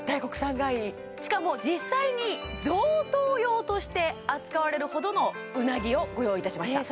しかも実際に贈答用として扱われるほどのうなぎをご用意いたしましたえ